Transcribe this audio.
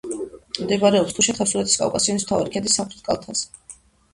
მდებარეობს თუშეთ-ხევსურეთის კავკასიონის მთავარი ქედის სამხრეთ კალთაზე.